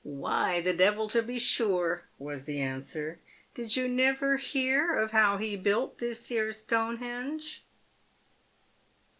" "Why, the devil, to be sure," was the answer. " Did you never hear of how he built this here Stonehenge